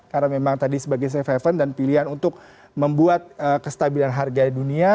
karena memang tadi sebagai safe haven dan pilihan untuk membuat kestabilan harga dunia